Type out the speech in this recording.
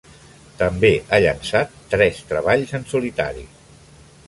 També ha llençat tres treballs en solitari.